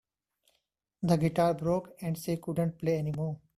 The guitar broke and she couldn't play anymore.